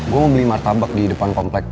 gue mau beli martabak di depan kompleks